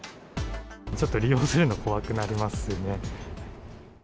ちょっと利用するのが怖くなりますよね。